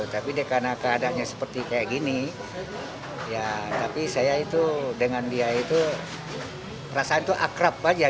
tapi karena keadaannya seperti ini saya dengan dia rasanya akrab saja